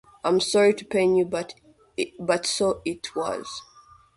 I am sorry to pain you, but so it was.